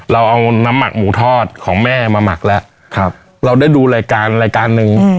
เราเอาน้ำหมักหมูทอดของแม่มาหมักแล้วเราได้ดูรายการรายการหนึ่ง